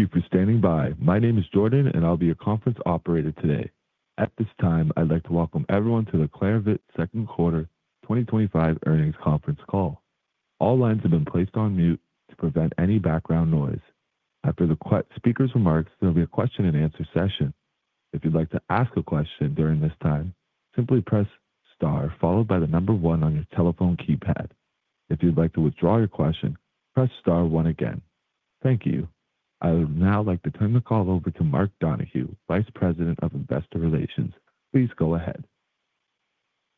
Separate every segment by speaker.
Speaker 1: Thank you for standing by. My name is Jordan, and I'll be your conference operator today. At this time, I'd like to welcome everyone to the Clarivate Second Quarter 2025 Earnings Conference Call. All lines have been placed on mute to prevent any background noise. After the speaker's remarks, there'll be a question-and-answer session. If you'd like to ask a question during this time, simply press star followed by the number one on your telephone keypad. If you'd like to withdraw your question, press star one again. Thank you. I would now like to turn the call over to Mark Donohue, Vice President of Investor Relations. Please go ahead.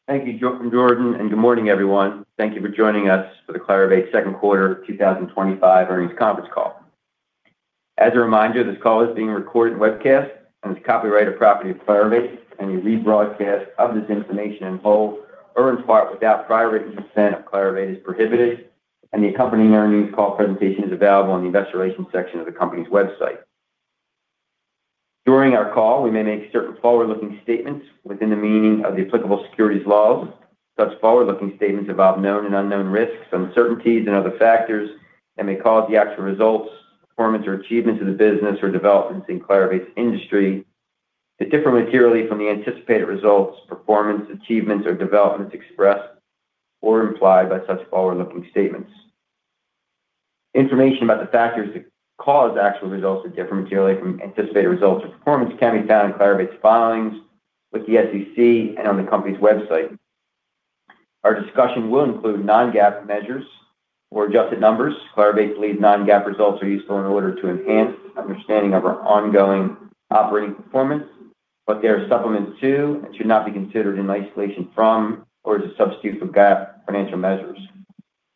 Speaker 2: Thank you, Jordan, and good morning everyone. Thank you for joining us for the Clarivate Second Quarter 2025 Earnings Conference Call. As a reminder, this call is being recorded and webcast, and is copyrighted property of Clarivate. Any rebroadcast of this information in whole or in part without prior written consent of Clarivate is prohibited, and the accompanying earnings call presentation is available on the Investor Relations section of the company's website. During our call, we may make certain forward-looking statements within the meaning of the applicable securities laws. Such forward-looking statements involve known and unknown risks, uncertainties, and other factors that may cause the actual results, performance, or achievements of the business or developments in Clarivate's industry to differ materially from the anticipated results, performance, achievements, or developments expressed or implied by such forward-looking statements. Information about the factors that cause actual results to differ materially from anticipated results or performance can be found in Clarivate's filings with the SEC and on the company's website. Our discussion will include non-GAAP measures or adjusted numbers. Clarivate believes non-GAAP results are useful in order to enhance the understanding of our ongoing operating performance, but they are supplemental to and should not be considered in isolation from or as a substitute for GAAP financial measures.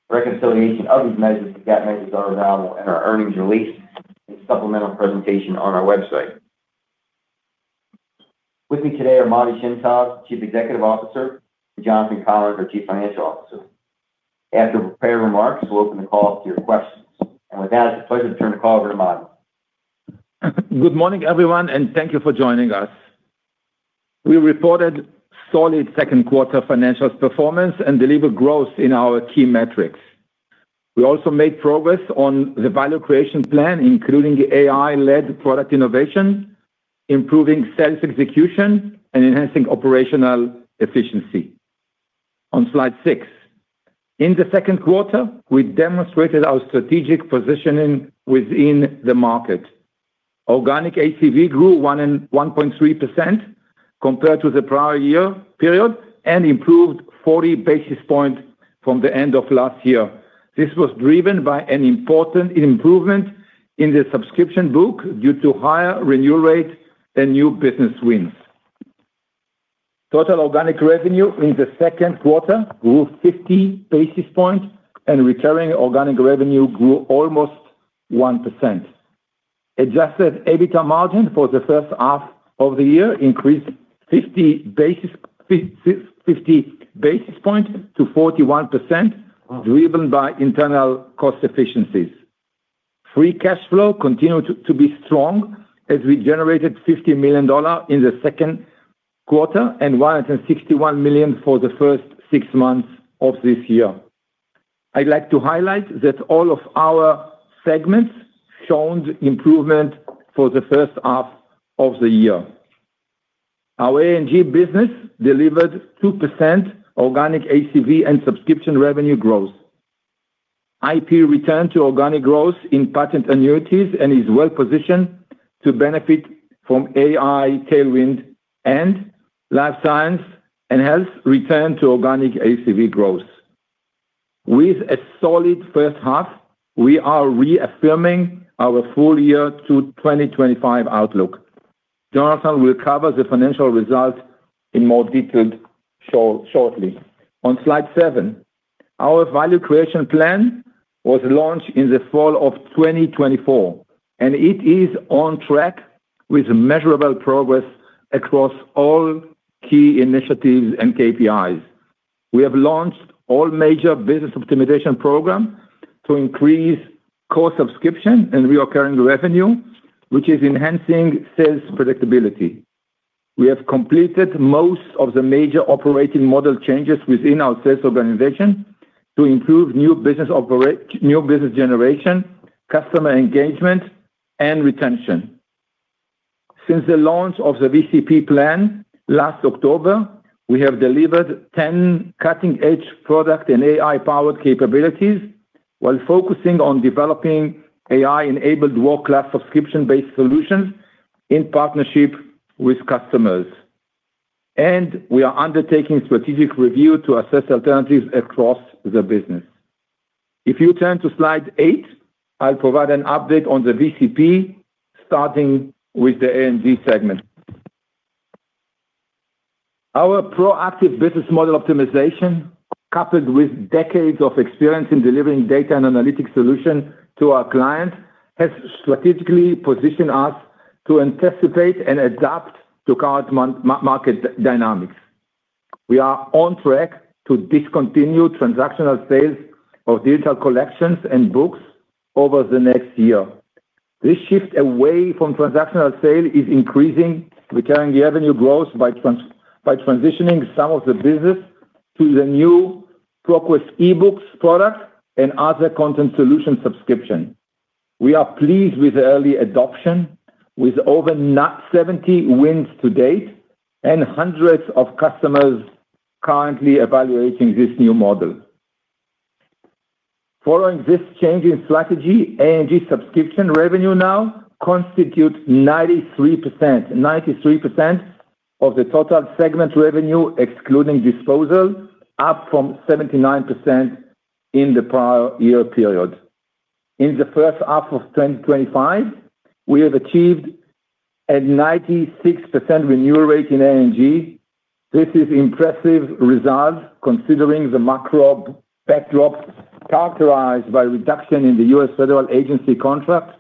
Speaker 2: Reconciliation of these measures to GAAP measures is available in our earnings release and supplemental presentation on our website. With me today are Matti Shem Tov, Chief Executive Officer, and Jonathan Collins, our Chief Financial Officer. After prepared remarks, we'll open the call to your questions. With that, it's a pleasure to turn the call over to Matti.
Speaker 3: Good morning everyone, and thank you for joining us. We reported solid second quarter financial performance and delivered growth in our key metrics. We also made progress on the Value Creation Plan, including AI-led product innovation, improving sales execution, and enhancing operational efficiency. On slide six, in the second quarter, we demonstrated our strategic positioning within the market. Organic ACV grew 1.3% compared to the prior year period and improved 40 basis points from the end of last year. This was driven by an important improvement in the subscription book due to higher renewal rates and new business wins. Total organic revenue in the second quarter grew 50 basis points, and recurring organic revenue grew almost 1%. Adjusted EBITDA margin for the first half of the year increased 50 basis points to 41%, driven by internal cost efficiencies. Free cash flow continued to be strong as we generated $50 million in the second quarter and $161 million for the first six months of this year. I'd like to highlight that all of our segments showed improvement for the first half of the year. Our A&G business delivered 2% organic ACV and subscription revenue growth. IP returned to organic growth in patent annuities and is well positioned to benefit from AI tailwind, and Life Science & Health returned to organic ACV growth. With a solid first half, we are reaffirming our full year 2025 outlook. Jonathan will cover the financial result in more detail shortly. On slide seven, our Value Creation Plan was launched in the fall of 2024, and it is on track with measurable progress across all key initiatives and KPIs. We have launched all major business optimization programs to increase core subscription and recurring revenue, which is enhancing sales predictability. We have completed most of the major operating model changes within our sales organization to improve new business generation, customer engagement, and retention. Since the launch of the VCP last October, we have delivered 10 cutting-edge product and AI-powered capabilities while focusing on developing AI-enabled world-class subscription-based solutions in partnership with customers. We are undertaking strategic review to assess alternatives across the business. If you turn to slide eight, I'll provide an update on the VCP, starting with the A&G segment. Our proactive business model optimization, coupled with decades of experience in delivering data and analytics solutions to our clients, has strategically positioned us to anticipate and adapt to current market dynamics. We are on track to discontinue transactional sales of digital collections and books over the next year. This shift away from transactional sales is increasing recurring revenue growth by transitioning some of the business to the new ProQuest eBooks product and other content solution subscriptions. We are pleased with the early adoption, with over 70 wins to date and hundreds of customers currently evaluating this new model. Following this change in strategy, A&G subscription revenue now constitutes 93% of the total segment revenue, excluding disposal, up from 79% in the prior year period. In the first half of 2025, we have achieved a 96% renewal rate in A&G. This is an impressive result considering the macro backdrop characterized by reduction in the U.S. federal agency contract,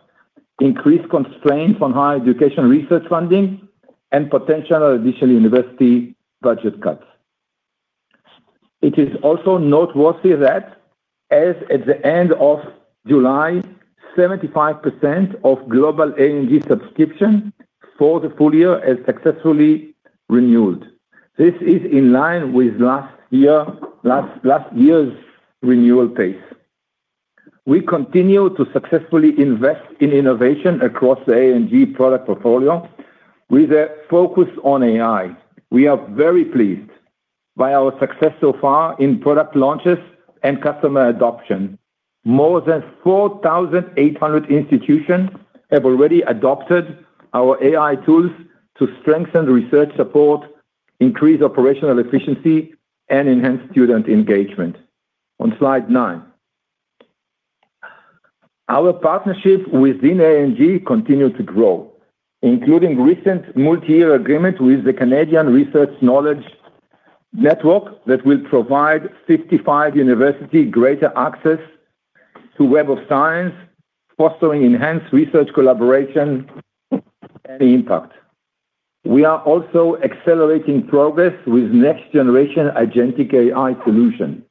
Speaker 3: increased constraints on higher education research funding, and potential additional university budget cuts. It is also noteworthy that, as at the end of July, 75% of global A&G subscriptions for the full year is successfully renewed. This is in line with last year's renewal pace. We continue to successfully invest in innovation across the A&G product portfolio with a focus on AI. We are very pleased by our success so far in product launches and customer adoption. More than 4,800 institutions have already adopted our AI tools to strengthen research support, increase operational efficiency, and enhance student engagement. On slide nine, our partnership within A&G continues to grow, including a recent multi-year agreement with the Canadian Research Knowledge Network that will provide 55 universities greater access to the Web of Science, fostering enhanced research collaboration and impact. We are also accelerating progress with the next-generation agentic AI solution.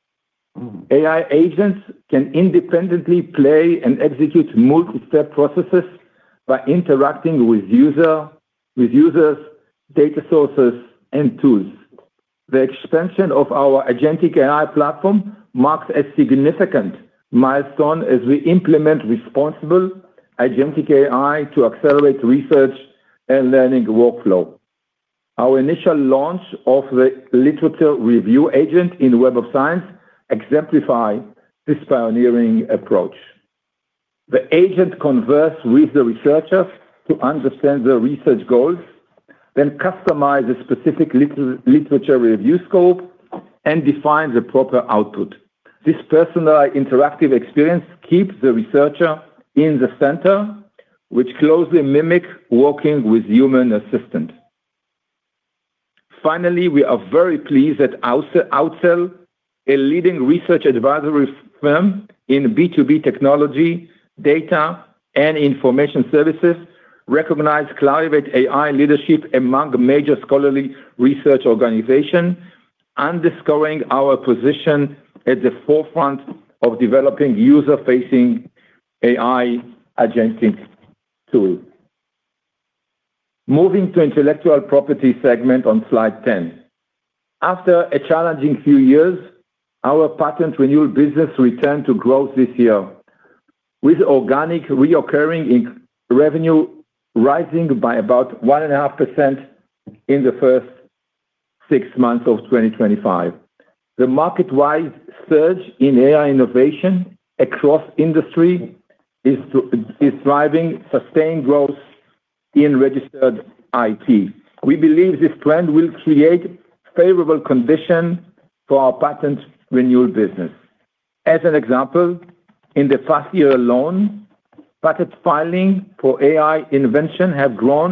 Speaker 3: AI agents can independently plan and execute multi-step processes by interacting with users, data sources, and tools. The expansion of our agentic AI platform marks a significant milestone as we implement responsible agentic AI to accelerate research and learning workflow. Our initial launch of the literature review agent in the Web of Science exemplifies this pioneering approach. The agent converses with the researcher to understand the research goals, then customizes a specific literature review scope and defines the proper output. This personalized interactive experience keeps the researcher in the center, which closely mimics working with a human assistant. Finally, we are very pleased that Outsell, a leading research advisory firm in B2B technology, data, and information services, recognizes Clarivate AI leadership among major scholarly research organizations, underscoring our position at the forefront of developing user-facing AI agentic tools. Moving to the Intellectual Property segment on slide 10. After a challenging few years, our patent renewal business returned to growth this year, with organic recurring revenue rising by about 1.5% in the first six months of 2025. The market-wide surge in AI innovation across industries is driving sustained growth in registered IP. We believe this trend will create favorable conditions for our patent renewal business. As an example, in the past year alone, patent filings for AI inventions have grown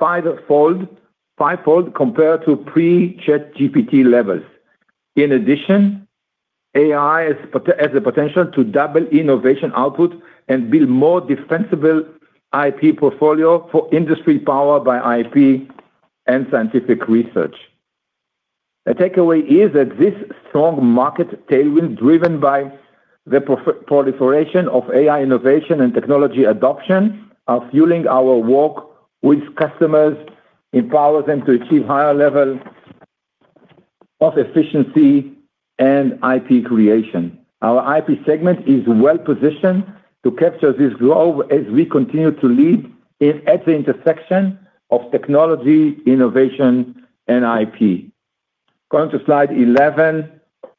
Speaker 3: five-fold compared to pre-ChatGPT levels. In addition, AI has the potential to double innovation output and build a more defensible IP portfolio for industry powered by IP and scientific research. The takeaway is that this strong market tailwind, driven by the proliferation of AI innovation and technology adoption, is fueling our work with customers, empowering them to achieve higher levels of efficiency and IP creation. Our IP segment is well positioned to capture this growth as we continue to lead at the intersection of technology, innovation, and IP. Going to slide 11,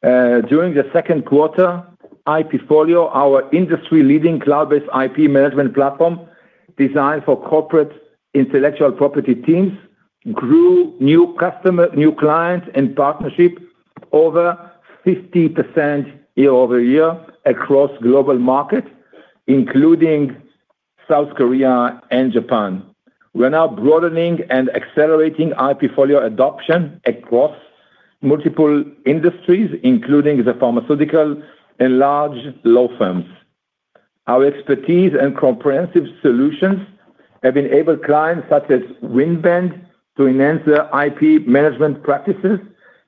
Speaker 3: during the second quarter, IPfolio, our industry-leading cloud-based IP Management Software platform designed for corporate intellectual property teams, grew new customers, new clients, and partnerships over 50% year-over-year across global markets, including South Korea and Japan. We are now broadening and accelerating IPfolio adoption across multiple industries, including the pharmaceutical and large law firms. Our expertise and comprehensive solutions have enabled clients such as Winbond to enhance their IP management practices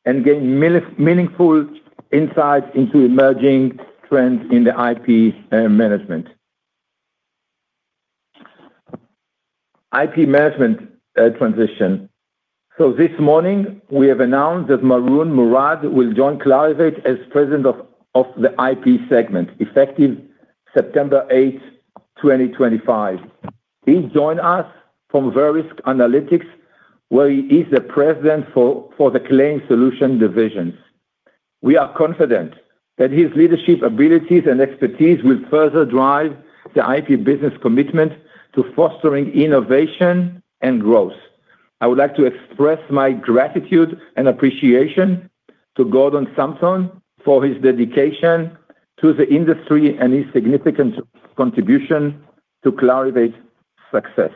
Speaker 3: and gain meaningful insights into emerging trends in the IP management transition. This morning, we have announced that Maroun Mourad will join Clarivate as President of the IP segment effective September 8, 2025. He'll join us from Verisk Analytics, where he is the President for the Claim Solution divisions. We are confident that his leadership abilities and expertise will further drive the IP business commitment to fostering innovation and growth. I would like to express my gratitude and appreciation to Gordon Samson for his dedication to the industry and his significant contribution to Clarivate's success.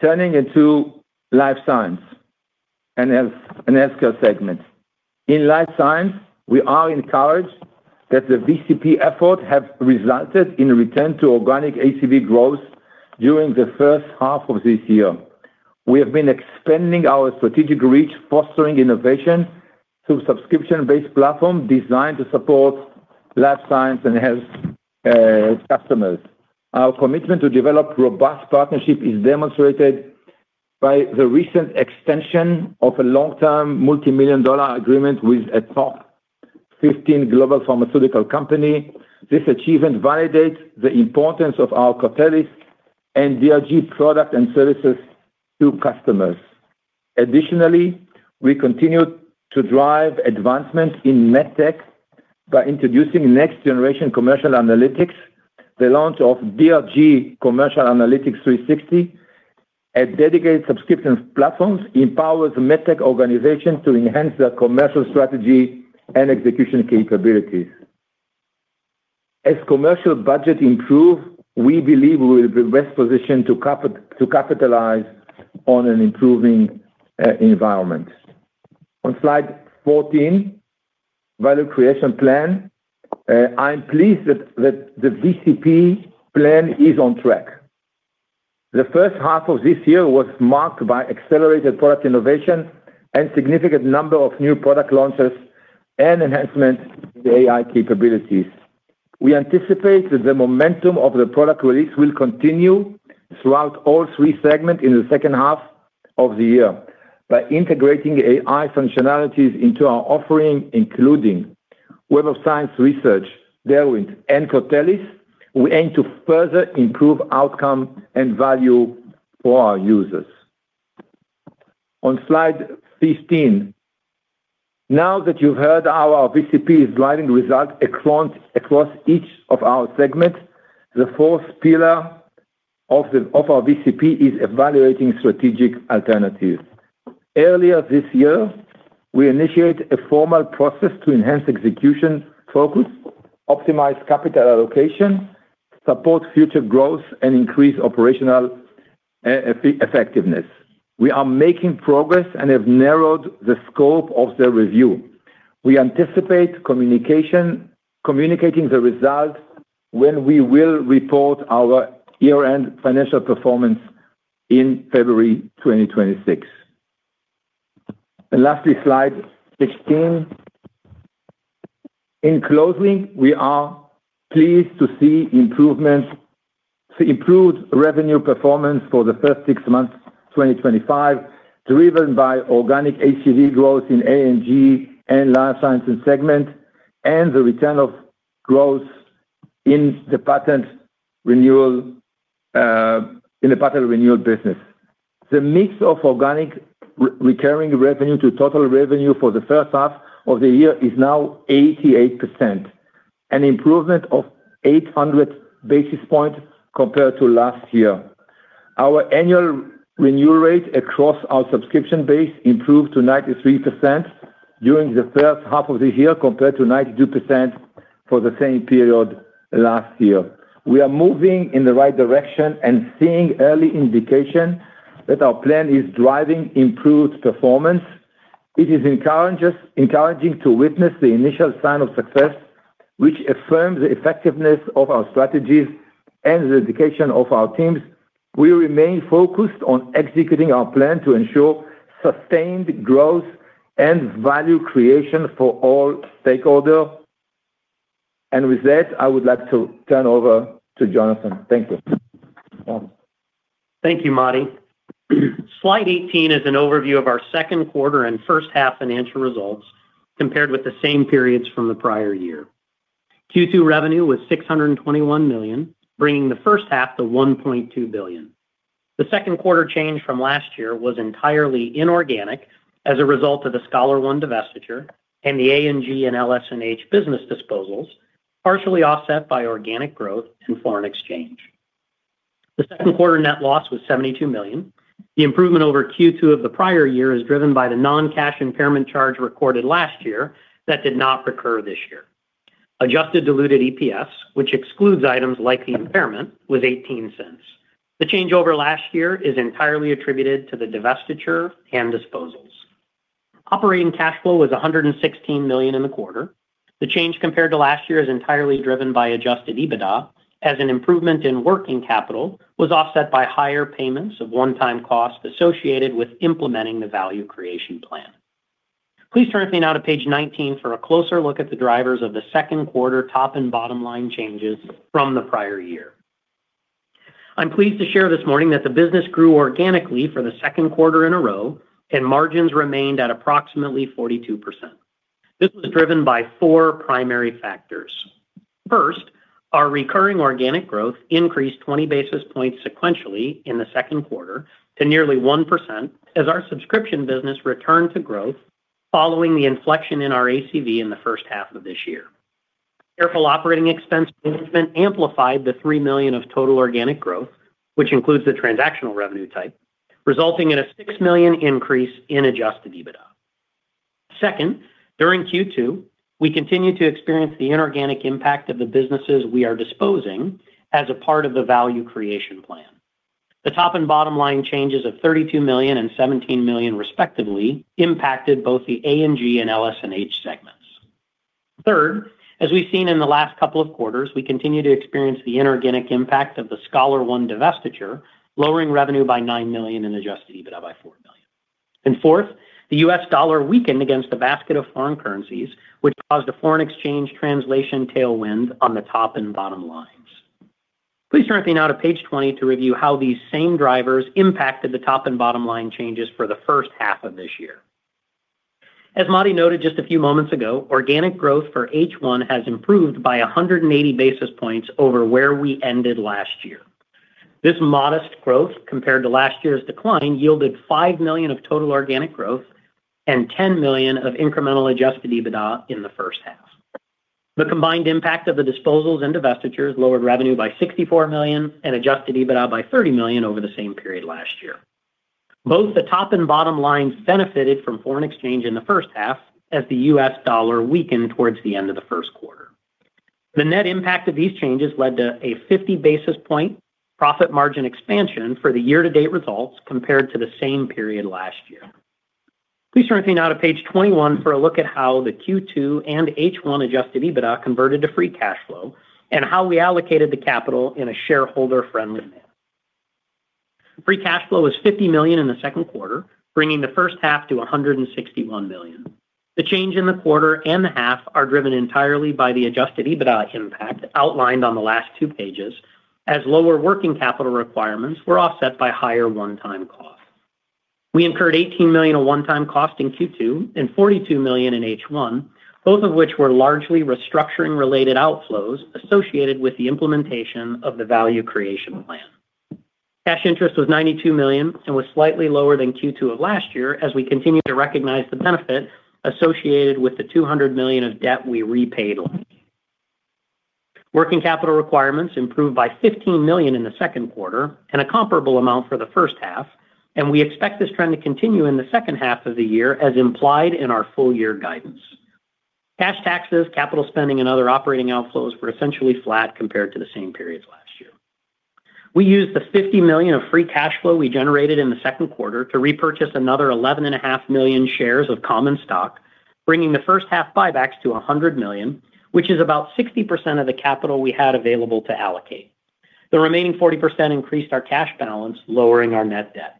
Speaker 3: Turning into Life Science & Healthcare segment. In Life Science, we are encouraged that the VCP effort has resulted in a return to organic ACV growth during the first half of this year. We have been expanding our strategic reach, fostering innovation through a subscription-based platform designed to support Life Science & Health customers. Our commitment to develop robust partnerships is demonstrated by the recent extension of a long-term multimillion-dollar agreement with a top 15 global pharmaceutical company. This achievement validates the importance of our Cortellis and DRG products and services to customers. Additionally, we continue to drive advancements in MedTech by introducing next-generation commercial analytics. The launch of DRG Commercial Analytics 360, a dedicated subscription platform, empowers MedTech organizations to enhance their commercial strategy and execution capabilities. As commercial budgets improve, we believe we will be best positioned to capitalize on an improving environment. On slide 14, Value Creation Plan, I'm pleased that the VCP plan is on track. The first half of this year was marked by accelerated product innovation and a significant number of new product launches and enhancements in the AI capabilities. We anticipate that the momentum of the product release will continue throughout all three segments in the second half of the year. By integrating AI functionalities into our offering, including Web of Science Research, Derwent, and Cortellis, we aim to further improve outcomes and value for our users. On slide 15, now that you've heard our VCP's driving result across each of our segments, the fourth pillar of our VCP is evaluating strategic alternatives. Earlier this year, we initiated a formal process to enhance execution focus, optimize capital allocation, support future growth, and increase operational effectiveness. We are making progress and have narrowed the scope of the review. We anticipate communicating the results when we will report our year-end financial performance in February 2026. And lastly, slide 16. In closing, we are pleased to see improved revenue performance for the first six months of 2025, driven by organic ACV growth in A&G and Life Sciences segment and the return of growth in the patent renewal business. The mix of organic recurring revenue to total revenue for the first half of the year is now 88%, an improvement of 800 basis points compared to last year. Our annual renewal rate across our subscription base improved to 93% during the first half of the year compared to 92% for the same period last year. We are moving in the right direction and seeing early indications that our plan is driving improved performance. It is encouraging to witness the initial sign of success, which affirms the effectiveness of our strategies and the dedication of our teams. We remain focused on executing our plan to ensure sustained growth and value creation for all stakeholders. I would like to turn it over to Jonathan. Thank you.
Speaker 4: Thank you, Matti. Slide 18 is an overview of our second quarter and first half financial results compared with the same periods from the prior year. Q2 revenue was $621 million, bringing the first half to $1.2 billion. The second quarter change from last year was entirely inorganic as a result of the ScholarOne divestiture and the A&G and LS&H business disposals, partially offset by organic growth and foreign exchange. The second quarter net loss was $72 million. The improvement over Q2 of the prior year is driven by the non-cash impairment charge recorded last year that did not recur this year. Adjusted diluted EPS, which excludes items like the impairment, was $0.18. The change over last year is entirely attributed to the divestiture and disposals. Operating cash flow was $116 million in the quarter. The change compared to last year is entirely driven by adjusted EBITDA, as an improvement in working capital was offset by higher payments of one-time costs associated with implementing the Value Creation Plan. Please turn with me now to page 19 for a closer look at the drivers of the second quarter top and bottom line changes from the prior year. I'm pleased to share this morning that the business grew organically for the second quarter in a row, and margins remained at approximately 42%. This was driven by four primary factors. First, our recurring organic growth increased 20 basis points sequentially in the second quarter to nearly 1%, as our subscription business returned to growth following the inflection in our ACV in the first half of this year. Careful operating expense management amplified the $3 million of total organic growth, which includes the transactional revenue type, resulting in a $6 million increase in adjusted EBITDA. Second, during Q2, we continued to experience the inorganic impact of the businesses we are disposing of as a part of the Value Creation Plan. The top and bottom line changes of $32 million and $17 million, respectively, impacted both the A&G and LS&H segments. Third, as we've seen in the last couple of quarters, we continue to experience the inorganic impact of the ScholarOne divestiture, lowering revenue by $9 million and adjusted EBITDA by $4 million. Fourth, the U.S. dollar weakened against the basket of foreign currencies, which caused a foreign exchange translation tailwind on the top and bottom lines. Please turn with me now to page 20 to review how these same drivers impacted the top and bottom line changes for the first half of this year. As Matti noted just a few moments ago, organic growth for H1 has improved by 180 basis points over where we ended last year. This modest growth compared to last year's decline yielded $5 million of total organic growth and $10 million of incremental adjusted EBITDA in the first half. The combined impact of the disposals and divestitures lowered revenue by $64 million and adjusted EBITDA by $30 million over the same period last year. Both the top and bottom lines benefited from foreign exchange in the first half, as the U.S. dollar weakened towards the end of the first quarter. The net impact of these changes led to a 50 basis point profit margin expansion for the year-to-date results compared to the same period last year. Please turn with me now to page 21 for a look at how the Q2 and H1 adjusted EBITDA converted to free cash flow and how we allocated the capital in a shareholder-friendly manner. Free cash flow was $50 million in the second quarter, bringing the first half to $161 million. The change in the quarter and the half are driven entirely by the adjusted EBITDA impact outlined on the last two pages, as lower working capital requirements were offset by higher one-time costs. We incurred $18 million of one-time costs in Q2 and $42 million in H1, both of which were largely restructuring-related outflows associated with the implementation of the Value Creation Plan. Cash interest was $92 million and was slightly lower than Q2 of last year, as we continue to recognize the benefit associated with the $200 million of debt we repaid last year. Working capital requirements improved by $15 million in the second quarter and a comparable amount for the first half, and we expect this trend to continue in the second half of the year as implied in our full-year guidance. Cash taxes, capital spending, and other operating outflows were essentially flat compared to the same periods last year. We used the $50 million of free cash flow we generated in the second quarter to repurchase another 11.5 million shares of common stock, bringing the first half buybacks to $100 million, which is about 60% of the capital we had available to allocate. The remaining 40% increased our cash balance, lowering our net debt.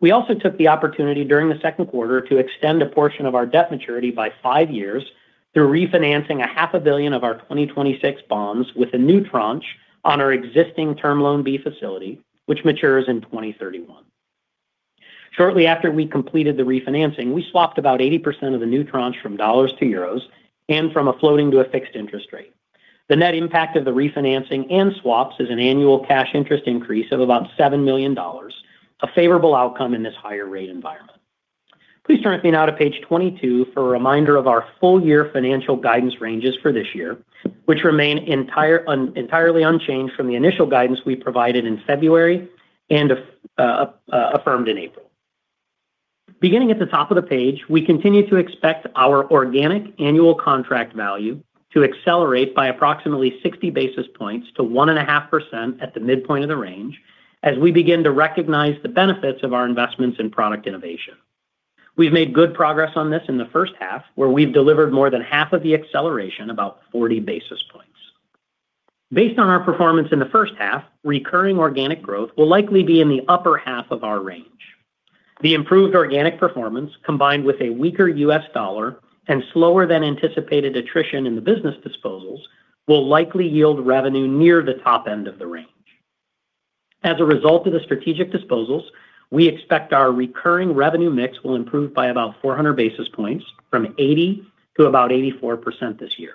Speaker 4: We also took the opportunity during the second quarter to extend a portion of our debt maturity by five years through refinancing a half a billion of our 2026 bonds with a new tranche on our existing Term Loan B facility, which matures in 2031. Shortly after we completed the refinancing, we swapped about 80% of the new tranche from dollars to euros and from a floating to a fixed interest rate. The net impact of the refinancing and swaps is an annual cash interest increase of about $7 million, a favorable outcome in this higher rate environment. Please turn with me now to page 22 for a reminder of our full-year financial guidance ranges for this year, which remain entirely unchanged from the initial guidance we provided in February and affirmed in April. Beginning at the top of the page, we continue to expect our organic annual contract value to accelerate by approximately 60 basis points to 1.5% at the midpoint of the range as we begin to recognize the benefits of our investments in product innovation. We've made good progress on this in the first half, where we've delivered more than half of the acceleration, about 40 basis points. Based on our performance in the first half, recurring organic growth will likely be in the upper half of our range. The improved organic performance, combined with a weaker U.S. dollar and slower than anticipated attrition in the business disposals, will likely yield revenue near the top end of the range. As a result of the strategic disposals, we expect our recurring revenue mix will improve by about 400 basis points, from 80% to about 84% this year.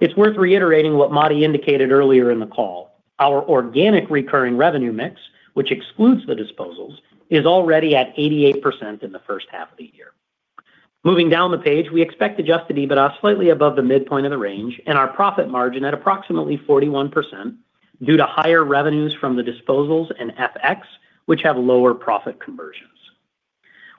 Speaker 4: It's worth reiterating what Matti indicated earlier in the call. Our organic recurring revenue mix, which excludes the disposals, is already at 88% in the first half of the year. Moving down the page, we expect adjusted EBITDA slightly above the midpoint of the range and our profit margin at approximately 41% due to higher revenues from the disposals and FX, which have lower profit conversions.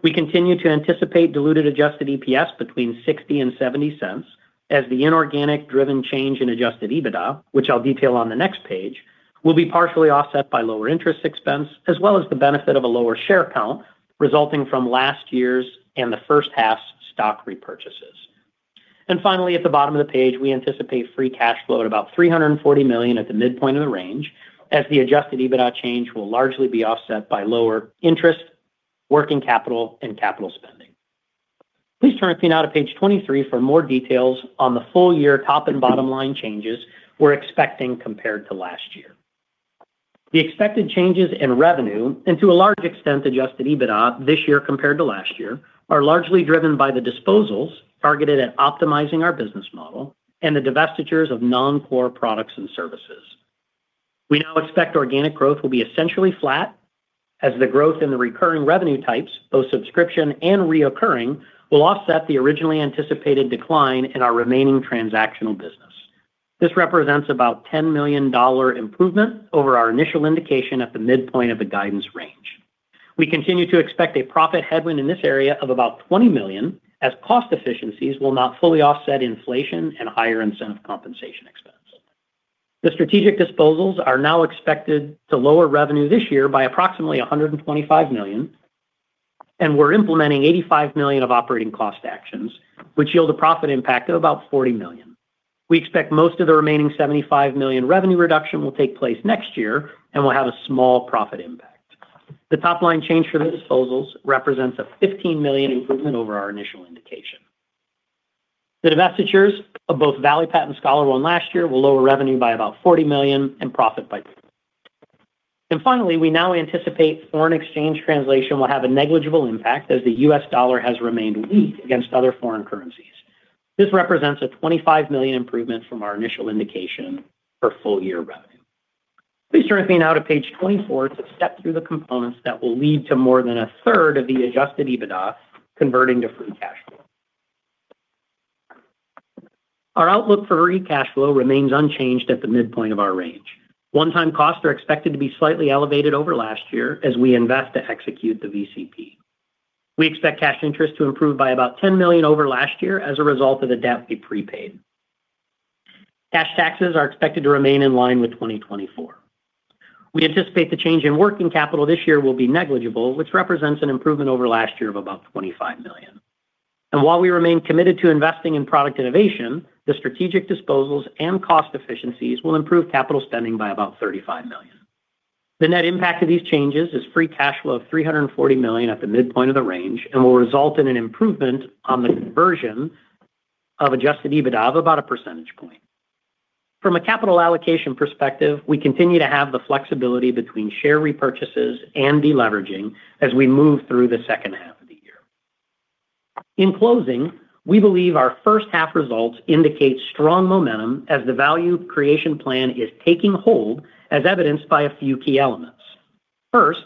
Speaker 4: We continue to anticipate diluted adjusted EPS between $0.60 and $0.70, as the inorganic-driven change in adjusted EBITDA, which I'll detail on the next page, will be partially offset by lower interest expense, as well as the benefit of a lower share count resulting from last year's and the first half's stock repurchases. Finally, at the bottom of the page, we anticipate free cash flow at about $340 million at the midpoint of the range, as the adjusted EBITDA change will largely be offset by lower interest, working capital, and capital spending. Please turn with me now to page 23 for more details on the full-year top and bottom line changes we're expecting compared to last year. The expected changes in revenue and, to a large extent, adjusted EBITDA this year compared to last year are largely driven by the disposals targeted at optimizing our business model and the divestitures of non-core products and services. We now expect organic growth will be essentially flat, as the growth in the recurring revenue types, both subscription and recurring, will offset the originally anticipated decline in our remaining transactional business. This represents about a $10 million improvement over our initial indication at the midpoint of the guidance range. We continue to expect a profit headwind in this area of about $20 million, as cost efficiencies will not fully offset inflation and higher incentive compensation expense. The strategic disposals are now expected to lower revenue this year by approximately $125 million, and we're implementing $85 million of operating cost actions, which yield a profit impact of about $40 million. We expect most of the remaining $75 million revenue reduction will take place next year and will have a small profit impact. The top line change for the disposals represents a $15 million improvement over our initial indication. The divestitures of both Valipat and ScholarOne last year will lower revenue by about $40 million and profit by Finally, we now anticipate foreign exchange translation will have a negligible impact, as the U.S. dollar has remained weak against other foreign currencies. This represents a $25 million improvement from our initial indication for full-year revenue. Please turn with me now to page 24 to step through the components that will lead to more than 1/3 of the adjusted EBITDA converting to free cash flow. Our outlook for free cash flow remains unchanged at the midpoint of our range. One-time costs are expected to be slightly elevated over last year as we invest to execute the VCP. We expect cash interest to improve by about $10 million over last year as a result of the debt we prepaid. Cash taxes are expected to remain in line with 2024. We anticipate the change in working capital this year will be negligible, which represents an improvement over last year of about $25 million. While we remain committed to investing in product innovation, the strategic disposals and cost efficiencies will improve capital spending by about $35 million. The net impact of these changes is free cash flow of $340 million at the midpoint of the range and will result in an improvement on the conversion of adjusted EBITDA of about a percentage point. From a capital allocation perspective, we continue to have the flexibility between share repurchases and deleveraging as we move through the second half of the year. In closing, we believe our first half results indicate strong momentum as the Value Creation Plan is taking hold, as evidenced by a few key elements. First,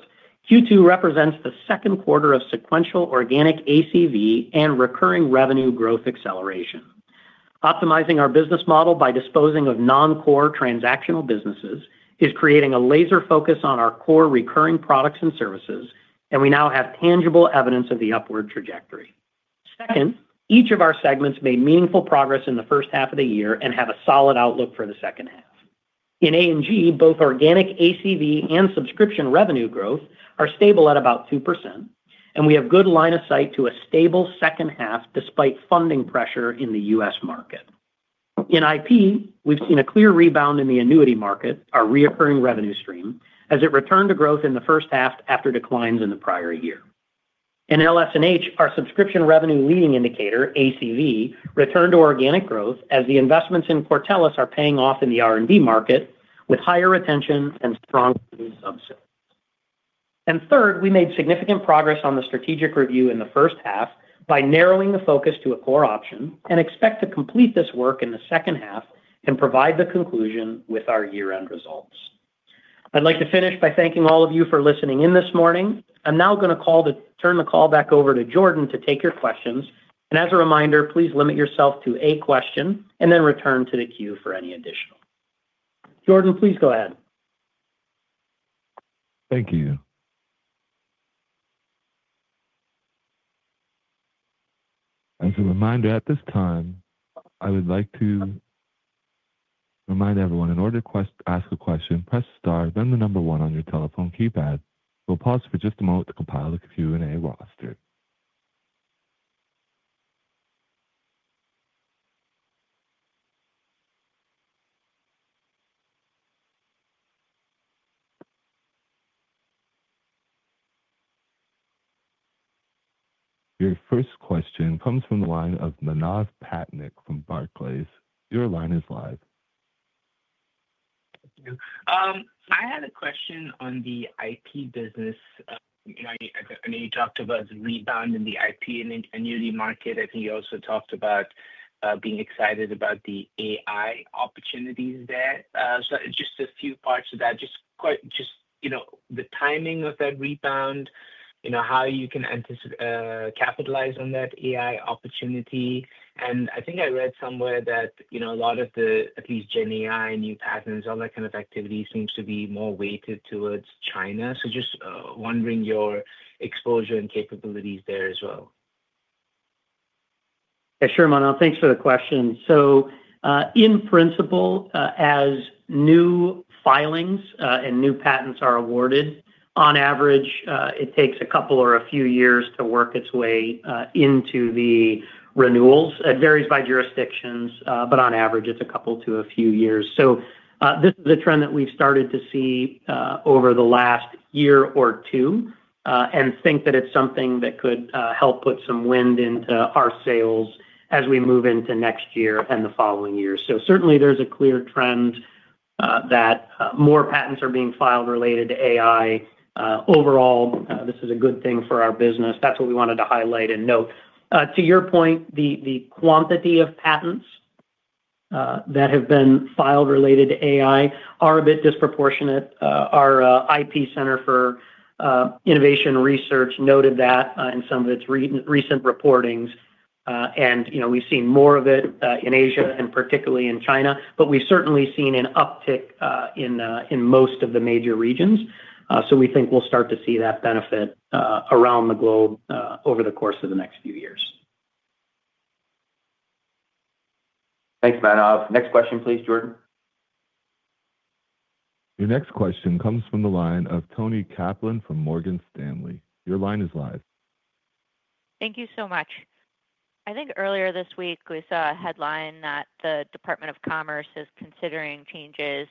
Speaker 4: Q2 represents the second quarter of sequential organic ACV and recurring revenue growth acceleration. Optimizing our business model by disposing of non-core transactional businesses is creating a laser focus on our core recurring products and services, and we now have tangible evidence of the upward trajectory. Each of our segments made meaningful progress in the first half of the year and have a solid outlook for the second half. In A&G, both organic ACV and subscription revenue growth are stable at about 2%, and we have good line of sight to a stable second half despite funding pressure in the U.S. market. In IP, we've seen a clear rebound in the annuity market, our recurring revenue stream, as it returned to growth in the first half after declines in the prior year. In LS&H, our subscription revenue leading indicator, ACV, returned to organic growth as the investments in Cortellis are paying off in the R&D market with higher retention and strong new subsidies. We made significant progress on the strategic review in the first half by narrowing the focus to a core option and expect to complete this work in the second half and provide the conclusion with our year-end results. I'd like to finish by thanking all of you for listening in this morning. I'm now going to turn the call back over to Jordan to take your questions. As a reminder, please limit yourself to a question and then return to the queue for any additional. Jordan, please go ahead.
Speaker 1: Thank you. As a reminder, at this time, I would like to remind everyone, in order to ask a question, press star, then the number one on your telephone keypad. We'll pause for just a moment to compile the Q&A roster. Your first question comes from the line of Manav Patnaik from Barclays. Your line is live.
Speaker 5: I had a question on the IP business. I know you talked about the rebound in the IP and annuity market. I think you also talked about being excited about the AI opportunities there. Just a few parts of that. Just the timing of that rebound, how you can capitalize on that AI opportunity. I think I read somewhere that a lot of the, at least, GenAI, new patents, all that kind of activity seems to be more weighted towards China. Just wondering your exposure and capabilities there as well.
Speaker 4: Yeah, sure, Manav. Thanks for the question. In principle, as new filings and new patents are awarded, on average, it takes a couple or a few years to work its way into the renewals. It varies by jurisdictions, but on average, it's a couple to a few years. This is a trend that we've started to see over the last year or two and think that it's something that could help put some wind into our sails as we move into next year and the following year. There is a clear trend that more patents are being filed related to AI. Overall, this is a good thing for our business. That's what we wanted to highlight and note. To your point, the quantity of patents that have been filed related to AI are a bit disproportionate. Our IP Center for Innovation Research noted that in some of its recent reportings. We've seen more of it in Asia and particularly in China, but we've certainly seen an uptick in most of the major regions. We think we'll start to see that benefit around the globe over the course of the next few years.
Speaker 2: Thanks, Manav. Next question, please, Jordan.
Speaker 1: Your next question comes from the line of Tony Kaplan from Morgan Stanley. Your line is live.
Speaker 6: Thank you so much. I think earlier this week, we saw a headline that the Department of Commerce is considering changes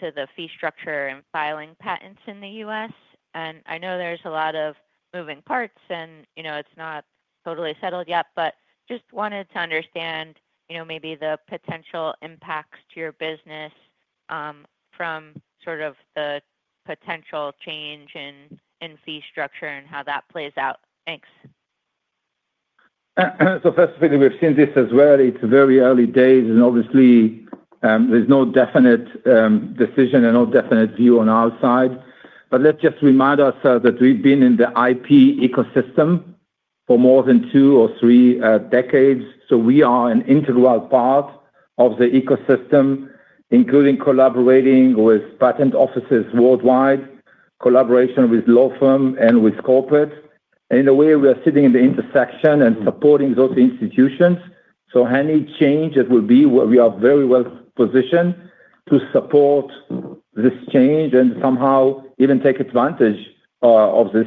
Speaker 6: to the fee structure and filing patents in the U.S. I know there's a lot of moving parts and it's not totally settled yet, but just wanted to understand maybe the potential impacts to your business from the potential change in fee structure and how that plays out. Thanks.
Speaker 3: First of all, we've seen this as well. It's very early days. Obviously, there's no definite decision and no definite view on our side. Let's just remind ourselves that we've been in the IP ecosystem for more than two or three decades. We are an integral part of the ecosystem, including collaborating with patent offices worldwide, collaboration with law firms, and with corporates. In a way, we are sitting at the intersection and supporting those institutions. Any change that will be, we are very well positioned to support this change and somehow even take advantage of this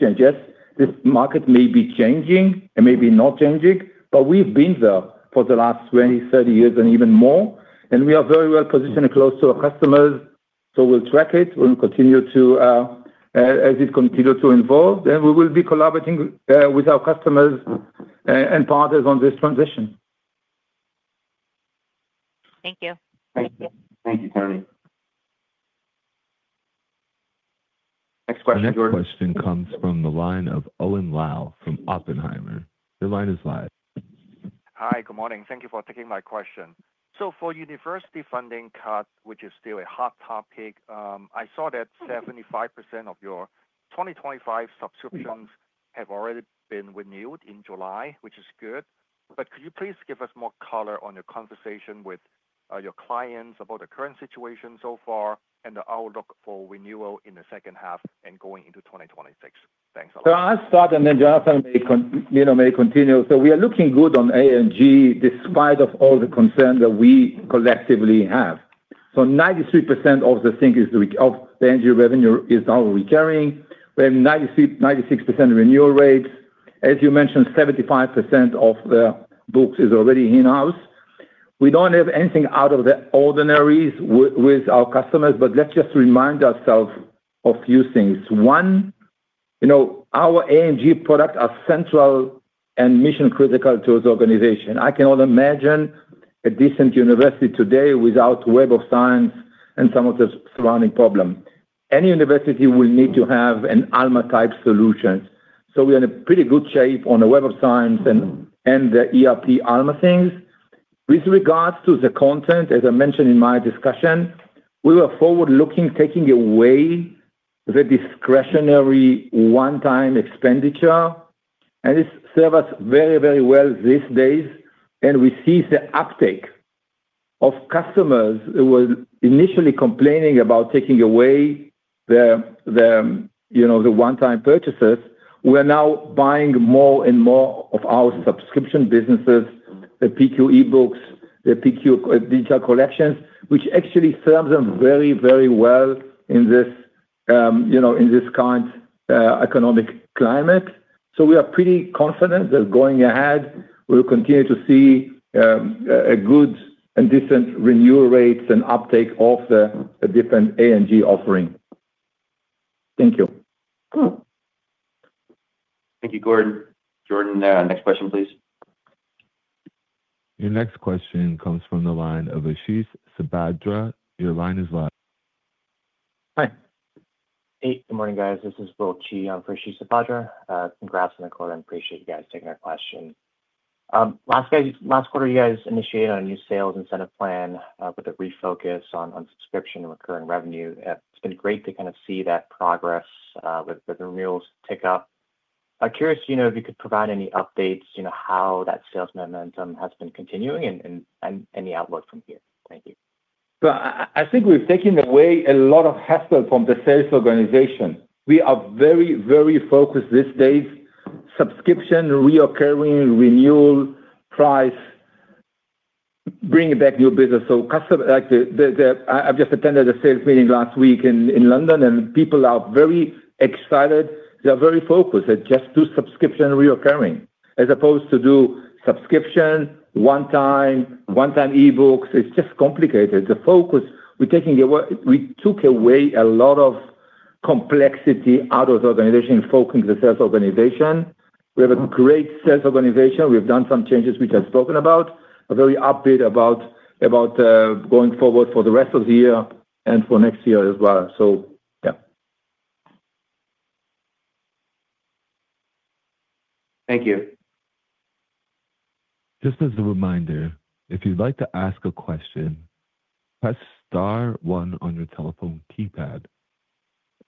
Speaker 3: change. Yes, this market may be changing and may be not changing, but we've been there for the last 20, 30 years, and even more. We are very well positioned close to our customers. We'll track it. We'll continue to, as it continues to evolve, then we will be collaborating with our customers and partners on this transition.
Speaker 6: Thank you.
Speaker 2: Thank you, Tony. Next question, Jordan.
Speaker 1: Next question comes from the line of Owen Lau from Oppenheimer. Your line is live.
Speaker 7: Hi. Good morning. Thank you for taking my question. For university funding cuts, which is still a hot topic, I saw that 75% of your 2025 subscriptions have already been renewed in July, which is good. Could you please give us more color on your conversation with your clients about the current situation so far and the outlook for renewal in the second half and going into 2026? Thanks a lot.
Speaker 3: I'll start, and then Jonathan may continue. We are looking good on A&G despite all the concerns that we collectively have. 93% of the A&G revenue is now recurring. We have 96% renewal rates. As you mentioned, 75% of the books are already in-house. We don't have anything out of the ordinary with our customers, but let's just remind ourselves of a few things. One, you know our A&G products are central and mission-critical to its organization. I cannot imagine a decent university today without Web of Science and some of the surrounding problems. Any university will need to have an Alma-type solution. We are in pretty good shape on the Web of Science and the ERP Alma things. With regards to the content, as I mentioned in my discussion, we were forward-looking, taking away the discretionary one-time expenditure. This serves us very, very well these days. We see the uptake of customers who were initially complaining about taking away the one-time purchases. They are now buying more and more of our subscription businesses, the PQ eBooks, the PQ digital collections, which actually serves them very, very well in this current economic climate. We are pretty confident that going ahead, we'll continue to see good and decent renewal rates and uptake of the different A&G offerings. Thank you.
Speaker 2: Thank you, [Gordon] Jordan, next question, please.
Speaker 1: Your next question comes from the line of Ashish Sapadra. Your line is live.
Speaker 8: Hi. Good morning, guys. This is [Will Qi] on for Ashish Sapadra. Congrats on the quarter. I appreciate you guys taking our question. Last quarter, you guys initiated on a new sales incentive plan with a refocus on subscription and recurring revenue. It's been great to see that progress with the renewals tick up. I'm curious to know if you could provide any updates, you know, how that sales momentum has been continuing and any outlook from here. Thank you.
Speaker 3: I think we've taken away a lot of hassle from the sales organization. We are very, very focused these days. Subscription, recurring, renewal, price, bringing back new business. Customers, like I've just attended a sales meeting last week in London, and people are very excited. They're very focused. They just do subscription and recurring as opposed to do subscription, one-time, one-time eBooks. It's just complicated. The focus, we're taking away, we took away a lot of complexity out of the organization and focusing on the sales organization. We have a great sales organization. We've done some changes which I've spoken about. Very upbeat about going forward for the rest of the year and for next year as well. Yeah.
Speaker 8: Thank you.
Speaker 1: Just as a reminder, if you'd like to ask a question, press star one on your telephone keypad.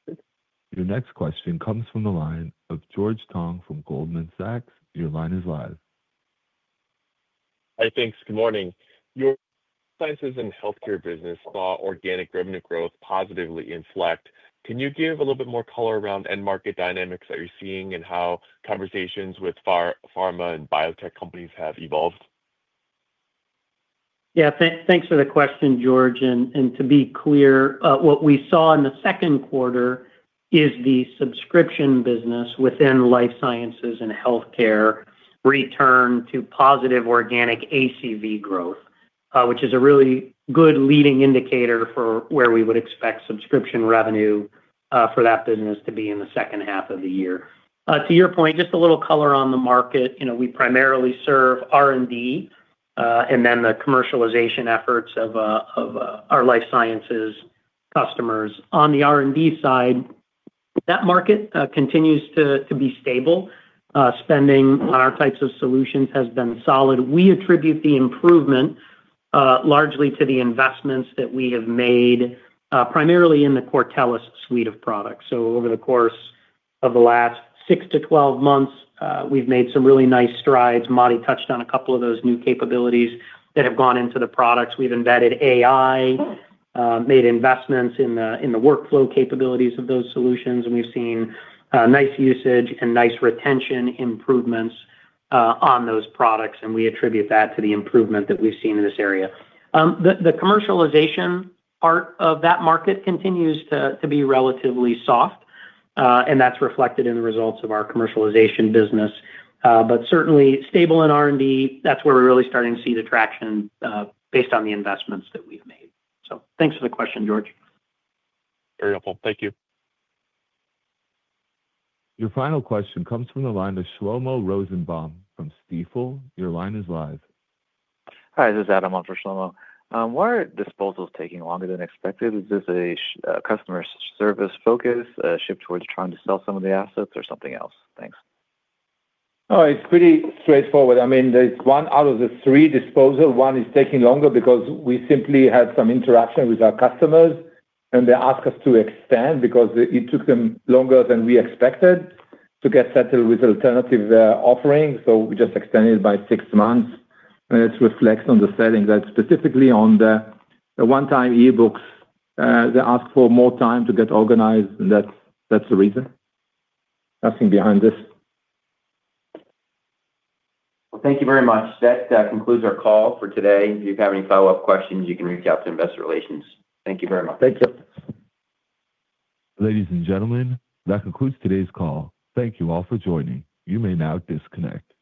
Speaker 1: Your next question comes from the line of George Tong from Goldman Sachs. Your line is live.
Speaker 9: Hi, thanks. Good morning. Your clients in the healthcare business saw organic revenue growth positively inflect. Can you give a little bit more color around end market dynamics that you're seeing, and how conversations with pharma and biotech companies have evolved?
Speaker 4: Yeah, thanks for the question, George. To be clear, what we saw in the second quarter is the subscription business within Life Sciences and Healthcare return to positive organic ACV growth, which is a really good leading indicator for where we would expect subscription revenue for that business to be in the second half of the year. To your point, just a little color on the market. You know we primarily serve R&D and then the commercialization efforts of our life sciences customers. On the R&D side, that market continues to be stable. Spending on our types of solutions has been solid. We attribute the improvement largely to the investments that we have made, primarily in the Cortellis suite of products. Over the course of the last 6-12 months, we've made some really nice strides. Matti touched on a couple of those new capabilities that have gone into the products. We've embedded AI, made investments in the workflow capabilities of those solutions, and we've seen nice usage and nice retention improvements on those products. We attribute that to the improvement that we've seen in this area. The commercialization part of that market continues to be relatively soft, and that's reflected in the results of our commercialization business. Certainly, stable in R&D, that's where we're really starting to see the traction based on the investments that we've made. Thanks for the question, George.
Speaker 9: Very helpful. Thank you.
Speaker 1: Your final question comes from the line of Shlomo Rosenbaum from Stifel. Your line is live.
Speaker 10: Hi, this is Adam on for Shlomo. Why are disposals taking longer than expected? Is this a customer service focus, a shift towards trying to sell some of the assets, or something else? Thanks.
Speaker 3: Oh, it's pretty straightforward. I mean, there's one out of the three disposals. One is taking longer because we simply had some interaction with our customers, and they asked us to extend because it took them longer than we expected to get settled with alternative offerings. We just extended it by six months. It reflects on the setting that specifically on the one-time eBooks, they asked for more time to get organized, and that's the reason. Nothing behind this.
Speaker 2: Thank you very much. That concludes our call for today. If you have any follow-up questions, you can reach out to Investor Relations. Thank you very much.
Speaker 3: Thank you.
Speaker 1: Ladies and gentlemen, that concludes today's call. Thank you all for joining. You may now disconnect.